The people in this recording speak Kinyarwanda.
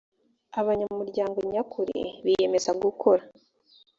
abanyamuryango nyakuri biyemeza gukorera